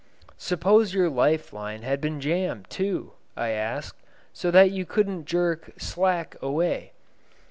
"Suppose your life line had been jammed, too," I asked, "so that you couldn't jerk 'slack away'?"